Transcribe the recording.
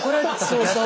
そうそう。